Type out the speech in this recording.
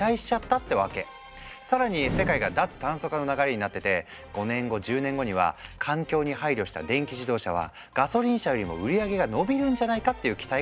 更に世界が脱炭素化の流れになってて「５年後１０年後には環境に配慮した電気自動車はガソリン車よりも売り上げが伸びるんじゃないか」っていう期待が高まった。